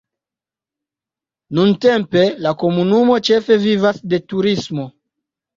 Nuntempe la komunumo ĉefe vivas de turismo.